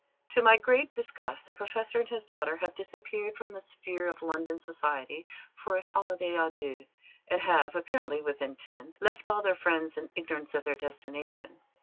To my great disgust, the Professor and his daughter have disappeared from the sphere of London society for a holiday à deux, and have, apparently with intent, left all their friends in ignorance of their destination.